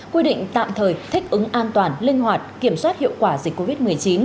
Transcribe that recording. quy định tạm thời thích ứng an toàn linh hoạt kiểm soát hiệu quả dịch covid một mươi chín